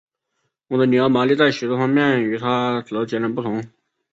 我的女儿玛丽在许多方面与她则截然不同。